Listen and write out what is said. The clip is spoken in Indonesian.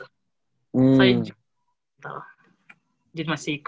saya juga fundamental jadi masih ikut ya